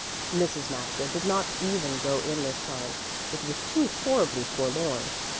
Mrs. Maxa did not even go in this time, it was too horribly forlorn.